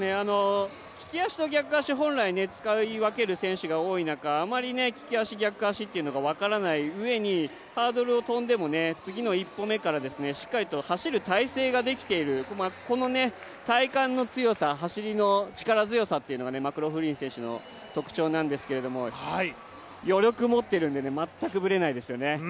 利き足と逆足、本来使い分ける選手が多い中、あまり、利き足逆足が分からないうえにハードルを跳んでも次の１歩目からしっかりと走る体勢ができているこの体幹の強さ、走りの力強さがマクローフリン選手の特徴なんですけど、余力、持っているので全くぶれないですね。